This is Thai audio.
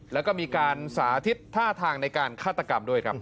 แล้วก็มีการสาธิตท่าทางในการฆาตกรรมด้วยครับ